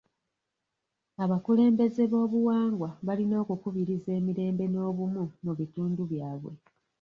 Abakulembeze bw'obuwangwa balina okukubiriza emirembe n'obumu mu bitundu byabwe.